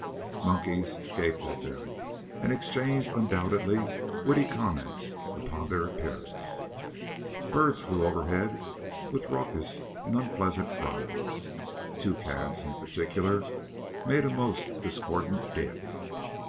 Monkeys gaped at them and exchanged undoubtedly witty comments upon their appearance. Birds flew overhead with raucous and unpleasant cries. Toucans, in particular, made a most discordant din.